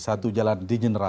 satu jalan di general